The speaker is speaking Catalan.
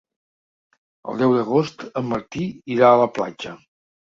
El deu d'agost en Martí irà a la platja.